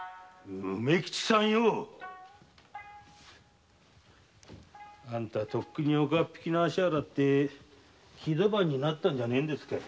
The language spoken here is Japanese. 梅吉さんよ。あんたとっくに岡っ引きの足を洗って木戸番になったんじゃねぇんですかい？